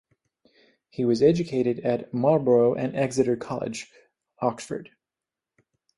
He was educated at Marlborough and Exeter College, Oxford.